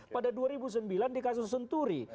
pada dua ribu sembilan di kasus senturi